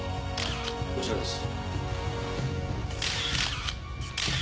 こちらです。